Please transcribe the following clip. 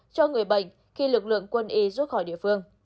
cho người bệnh khi lực lượng quân y rút khỏi địa phương